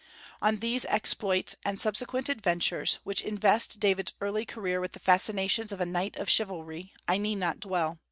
On these exploits and subsequent adventures, which invest David's early career with the fascinations of a knight of chivalry, I need not dwell.